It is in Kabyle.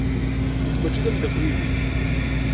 Nekk maci d ameddakel-nnek.